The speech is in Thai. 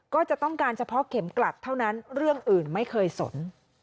ก็จะต้องการเฉพาะเข็มกลัดเท่านั้นเรื่องอื่นไม่เคยสน